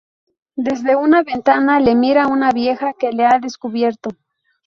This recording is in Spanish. Desde una ventana le mira una vieja que le ha descubierto.